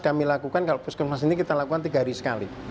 kami lakukan kalau puskesmas ini kita lakukan tiga hari sekali